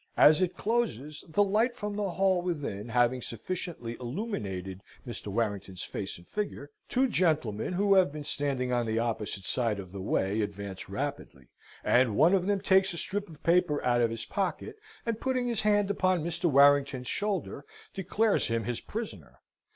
As it closes, the light from the hall within having sufficiently illuminated Mr. Warrington's face and figure, two gentlemen, who have been standing on the opposite side of the way, advance rapidly, and one of them takes a strip of paper out of his pocket, and putting his hand upon Mr. Warrington's shoulder, declares him his prisoner.